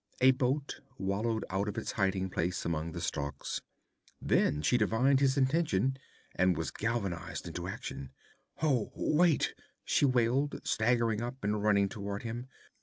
A boat wallowed out of its hiding place among the stalks. Then she divined his intention, and was galvanized into action. 'Oh, wait!' she wailed, staggering up and running toward him.